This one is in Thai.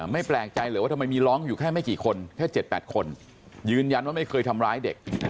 ไม่แปลกใจเลยว่าทำไมมีร้องอยู่แค่ไม่กี่คนแค่๗๘คนยืนยันว่าไม่เคยทำร้ายเด็ก